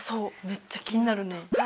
めっちゃ気になるね。